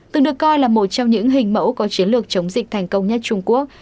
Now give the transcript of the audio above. từng được coi là một trong những hình mẫu có chiến lược chống dịch thành công nhất trung quốc